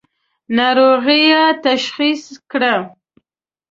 ناروغۍ یې تشخیص کړه.